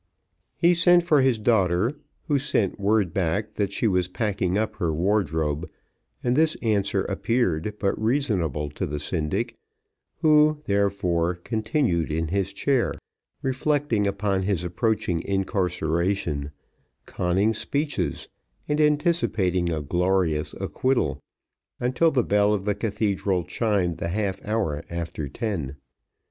He sent for his daughter, who sent word back that she was packing up her wardrobe, and this answer appeared but reasonable to the syndic, who, therefore, continued in his chair, reflecting upon his approaching incarceration, conning speeches, and anticipating a glorious acquittal, until the bell of the cathedral chimed the half hour after ten.